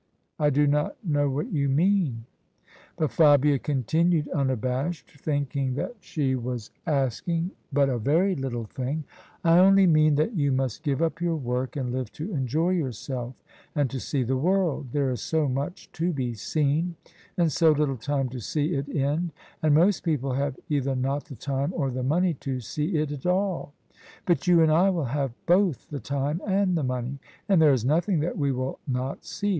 I do not know what you mean." But Fabia continued unabashed, thinking that she was OF ISABEL CARNABY adung but a very little thing. " I only mean that you must give up your work, and live to enjoy yourself and to sec the world. There is so much to be seen, and so little time to see it in; and most people have either not the time or the money to see it at all. But you and I will have both the time and the mon^; and there is nothing that we will not see.